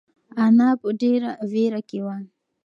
انا په ډېره وېره کې وه.